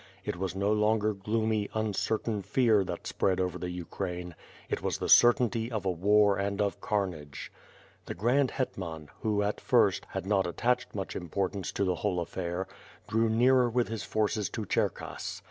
It was no longer gloomy, uncer tain fear, that spread over the Ukraine; it was the certainty of a war and of carnage. The Grand Iletman, who at first, had not attached much importance to the whole affair, drew nearer with his forces to Cherkass.